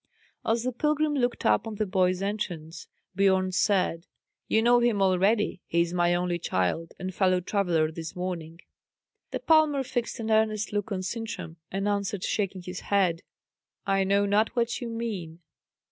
As the pilgrim looked up on the boy's entrance, Biorn said: "You know him already: he is my only child, and fellow traveller this morning." The palmer fixed an earnest look on Sintram, and answered, shaking his head, "I know not what you mean."